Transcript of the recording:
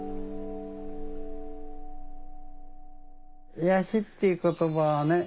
癒やしっていう言葉はね